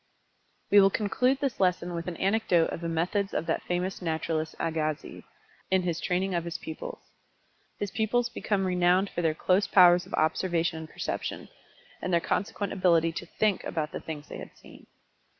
We will conclude this lesson with an anecdote of the methods of that famous naturalist Agassiz, in his training of his pupils. His pupils became renowned for their close powers of observation and perception, and their consequent ability to "think" about the things they had seen.